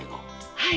はい。